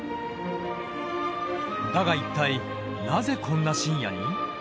だが一体なぜこんな深夜に？